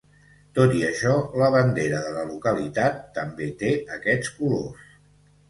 Tot i això, la bandera de la localitat també té aquests colors.